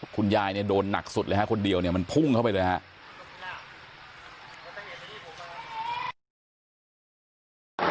คุณยายเนี่ยโดนหนักสุดเลยฮะคนเดียวเนี่ยมันพุ่งเข้าไปเลยครับ